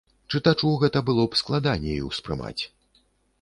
Чытачу гэта было б складаней успрымаць.